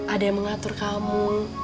ada yang mengatur kamu